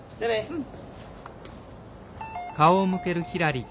うん。